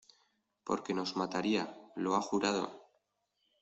porque nos mataría... ¡ lo ha jurado! ...